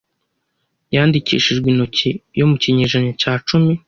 yandikishijwe intoki yo mu kinyejana cya cumi